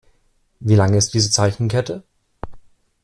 Wie lang ist diese Zeichenkette?